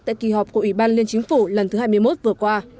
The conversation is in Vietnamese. tại kỳ họp của ủy ban liên chính phủ lần thứ hai mươi một vừa qua